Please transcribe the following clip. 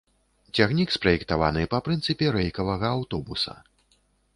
Цягнік спраектаваны па прынцыпе рэйкавага аўтобуса.